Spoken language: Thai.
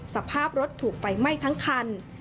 สภาพรถถูกไฟไหม้ทั้งคัน